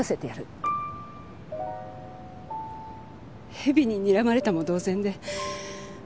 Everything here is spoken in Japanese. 蛇ににらまれたも同然で。